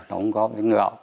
nó cũng có những gạo